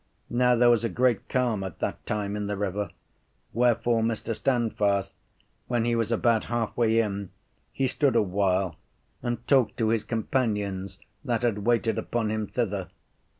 Now there was a great calm at that time in the river; wherefore Mr. Stand fast, when he was about half way in, he stood awhile, and talked to his companions that had waited upon him thither.